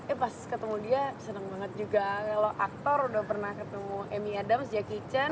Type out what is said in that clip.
eh pas ketemu dia senang banget juga kalau aktor udah pernah ketemu amy adams jack kitchen